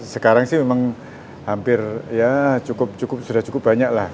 sekarang sih memang hampir ya cukup sudah cukup banyak lah